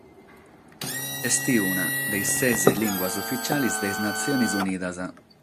Est una de sas ses limbas ufitziales de sas Natziones Unidas.